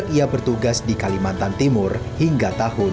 dan juga bertugas di kalimantan timur hingga tahun dua ribu sepuluh